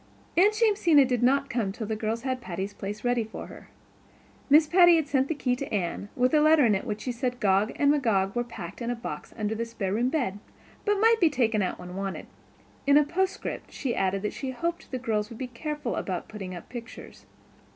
Aunt Jamesina did not come until the girls had Patty's Place ready for her. Miss Patty had sent the key to Anne, with a letter in which she said Gog and Magog were packed in a box under the spare room bed, but might be taken out when wanted; in a postscript she added that she hoped the girls would be careful about putting up pictures.